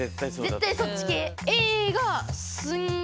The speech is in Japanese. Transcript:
絶対そっち系。